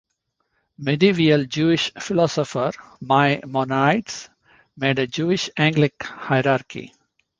Medieval Jewish philosopher Maimonides made a Jewish angelic hierarchy.